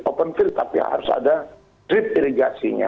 open field tapi harus ada trip irigasinya